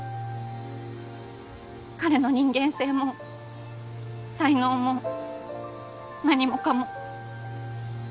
彼の人間性も才能も何もかも。